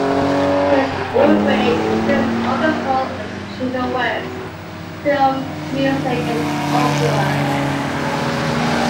His oeuvre includes orchestral and chamber works, film music and operas.